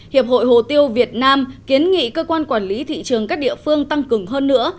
hiệp hội hồ tiêu việt nam kiến nghị cơ quan quản lý thị trường các địa phương tăng cường hơn nữa